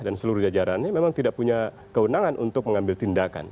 dan seluruh jajarannya memang tidak punya kewenangan untuk mengambil tindakan